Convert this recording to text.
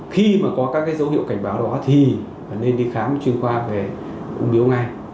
khi mà có các dấu hiệu cảnh báo đó thì nên đi khám chuyên khoa về ung biếu ngay